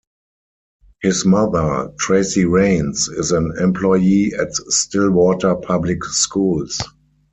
His mother, Tracey Rains, is an employee at Stillwater Public Schools.